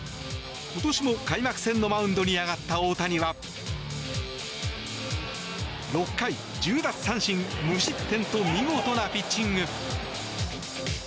今年も開幕戦のマウンドに上がった大谷は６回１０奪三振無失点と見事なピッチング。